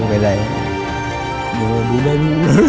เราจะไม่ยอมให้หลานเราอด